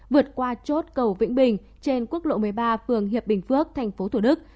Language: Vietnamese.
vượt qua chốt cầu vĩnh bình trên quốc lộ một mươi ba phường hiệp bình phước tp thủ đức